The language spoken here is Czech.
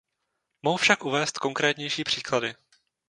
Mohu však uvést konkrétnější příklady.